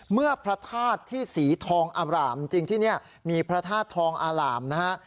เมื่อพระธาตุที่สีทองอร่ามจริงที่นี่มีพระธาตุทองอารามนะฮะ